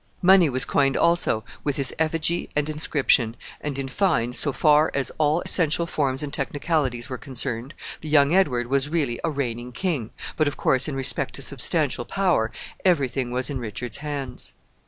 Money was coined, also, with his effigy and inscription, and, in fine, so far as all essential forms and technicalities were concerned, the young Edward was really a reigning king; but, of course, in respect to substantial power, every thing was in Richard's hands.